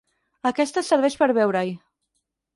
Aquesta serveix per veure-hi.